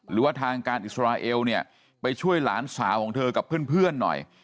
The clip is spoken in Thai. หรือว่าทางการอิสราเอลเนี่ยไปช่วยหลานสาวของเธอกับเพื่อนหน่อย